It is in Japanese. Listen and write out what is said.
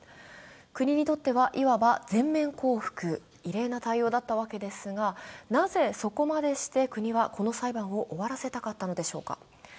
国にとってはいわば全面降伏、異例な対応だったわけですが、なぜそこまでして国はこの裁判を終わらせたかったのでしょうか。